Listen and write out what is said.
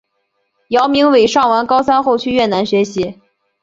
姚明伟上完高三后去越南学习。